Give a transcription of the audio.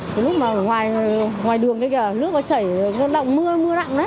có lúc mà ở ngoài đường kia kìa nước có chảy có động mưa mưa đặn đấy